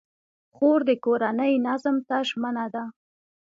خور د کورنۍ نظم ته ژمنه ده.